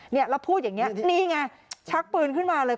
แล้วพูดอย่างนี้นี่ไงชักปืนขึ้นมาเลย